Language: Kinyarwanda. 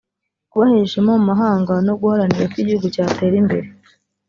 kubahesha ishema mu mahanga no guharanira ko igihugu cyatera imbere